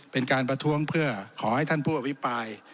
เป็นการประท้วงเพื่อขอให้ท่านผู้อภิปราย